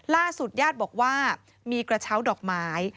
ญาติบอกว่ามีกระเช้าดอกไม้